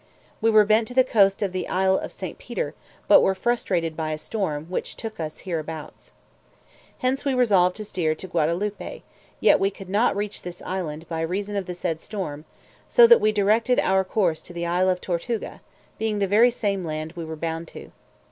We were bent to the coast of the isle of St. Peter, but were frustrated by a storm, which took us hereabouts. Hence we resolved to steer to Gaudaloupe, yet we could not reach this island, by reason of the said storm; so that we directed our course to the isle of Tortuga, being the very same land we were bound to.